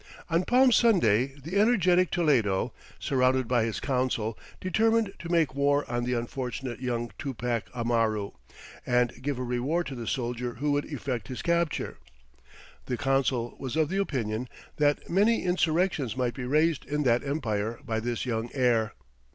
On Palm Sunday the energetic Toledo, surrounded by his council, determined to make war on the unfortunate young Tupac Amaru and give a reward to the soldier who would effect his capture. The council was of the opinion that "many Insurrections might be raised in that Empire by this young Heir."